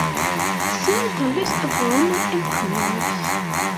See the list of Roman Emperors.